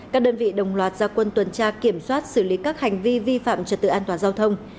các đơn vị đồng loạt gia quân tuần tra kiểm soát xử lý các hành vi vi phạm trật tự an toàn giao thông